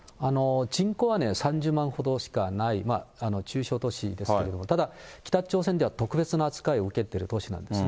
人口は３０万ほどしかない中小都市ですけれども、ただ北朝鮮では特別な扱いを受けてる都市なんですね。